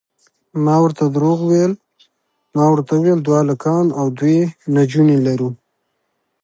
ما ورته درواغ وویل، ما ورته وویل دوه هلکان او دوې نجونې لرو.